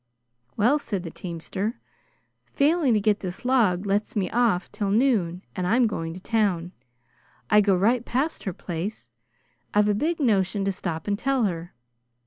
"Well," said the teamster, "failing to get this log lets me off till noon, and I'm going to town. I go right past her place. I've a big notion to stop and tell her.